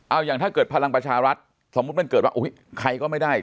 เอาอย่างถ้าเกิดพลังประชารัฐสมมุติมันเกิดว่าใครก็ไม่ได้